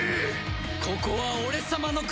ここは俺様の国。